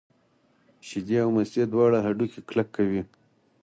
شیدې او مستې دواړه هډوکي کلک کوي.